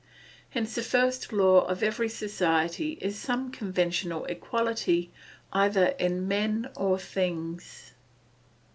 Hence the first law of every society is some conventional equality either in men or things.